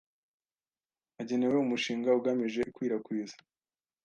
agenewe Umushinga Ugamije Ikwirakwiza